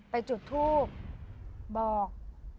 ไปจุดทูบบอก